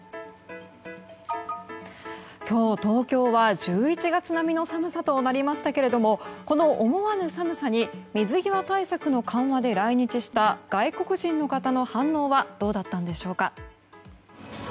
今日、東京は１１月並みの寒さとなりましたけれどもこの思わぬ寒さに水際対策の緩和で来日した外国人の方の反応はどうだったんでしょうか。